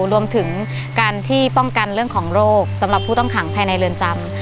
รวมถึงการที่ป้องกันเรื่องของโรคสำหรับผู้ต้องขังภายในเรือนจำ